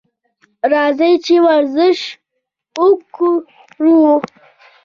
راځئ چې هره ورځ ورزش وکړو.